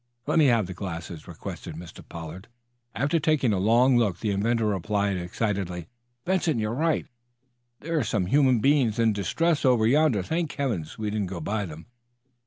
"Let me have the glasses," requested Mr. Pollard. After taking a long look the inventor replied, excitedly: "Benson, you're right. There are some human beings in distress over yonder. Thank heaven, we didn't go by them."